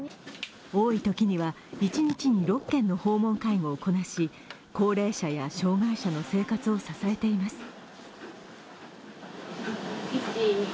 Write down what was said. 多いときには一日に６件の訪問介護をこなし高齢者や障害者の生活を支えています。